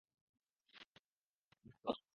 মায়ের কাছে কিসের শরম?